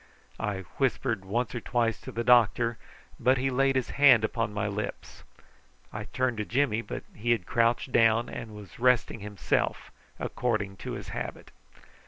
I whispered once or twice to the doctor, but he laid his hand upon my lips. I turned to Jimmy, but he had crouched down, and was resting himself according to his habit.